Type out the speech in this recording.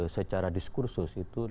secara diskursus itu